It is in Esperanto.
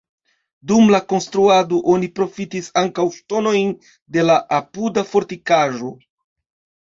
Dum la konstruado oni profitis ankaŭ ŝtonojn de la apuda fortikaĵo.